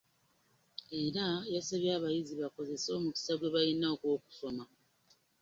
Era yasabye abayizi bakozese omukisa gwe balina ogw'okusoma